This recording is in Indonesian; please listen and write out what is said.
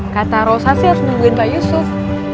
kata rosa sih harus nungguin pak yusuf